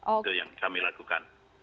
itu yang kami lakukan